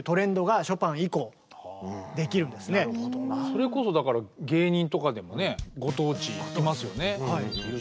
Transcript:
それこそだから芸人とかでもねご当地いますよね。